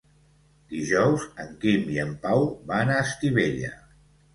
Dijous en Quim i en Pau van a Estivella.